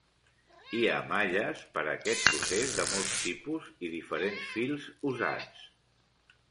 Hi ha malles per a aquest procés de molts tipus i diferents fils usats.